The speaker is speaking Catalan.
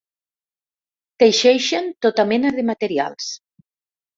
Teixeixen tota mena de materials.